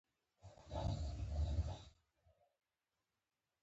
ګنجګل دره ښکلې ګورګوي لري